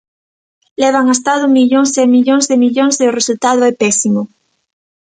Levan gastado millóns e millóns e millóns e o resultado é pésimo.